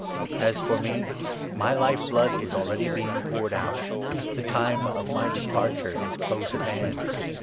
As for me, my life blood is already being poured out ; the 6 time of my departure is close at hand.